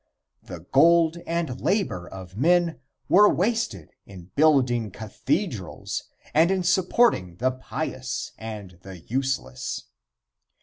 The gold and labor of men were wasted in building cathedrals and in supporting the pious and the useless.